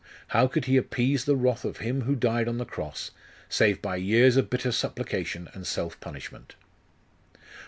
How could he appease the wrath of Him who died on the cross, save by years of bitter supplication and self punishment?....